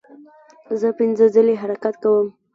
زه پنځه ځلې حرکت کوم.